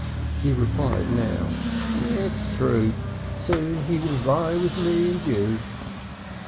He replied now: "It is true; soon he will vie with me and you."